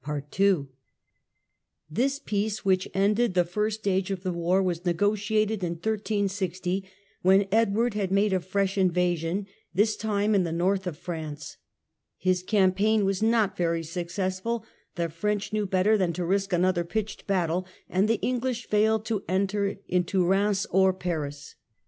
Peace of This Peacc which ended the first stage of the war was 13^60°"^' iiegotiated in 1360, when Edward had made a fresh in vasion, this time in the North of France. His campaign was not very successful ; the French knew better than to risk another pitched battle, and the Enghsh failed to enter into Keims or Paris.